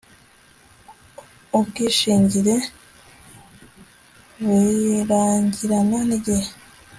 ubwishingire burangirana n'igihe